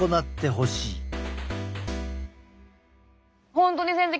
本当に先生